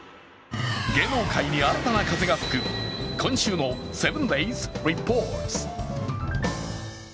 芸能界に新たな風が吹く今週の「７ｄａｙｓリポート」。